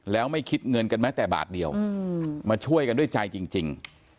แล้วไม่คิดเงินกันแม้แต่บาทเดียวมาช่วยกันด้วยใจจริง